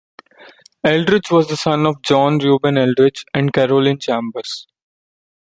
Eldridge was the son of John Reuben Eldridge and Caroline Chambers.